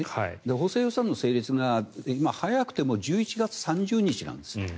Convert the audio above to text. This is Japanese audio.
補正予算の成立が今早くても１１月３０日なんです。